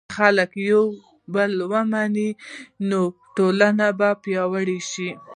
که خلک یو بل ومني، نو ټولنه به پیاوړې شي.